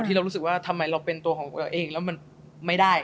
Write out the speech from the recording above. เรารู้สึกว่าทำไมเราเป็นตัวของเราเองแล้วมันไม่ได้